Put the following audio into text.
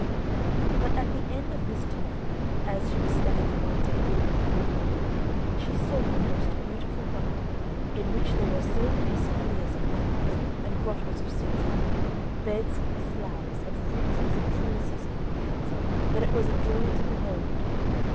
But at the end of this time, as she was standing one day looking through a hole, she saw a most beautiful garden, in which there were so many espaliers of lemons, and grottoes of citron, beds of flowers and fruit trees and trellises of vines, that it was a joy to behold.